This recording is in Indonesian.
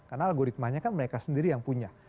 karena algoritmanya kan mereka sendiri yang punya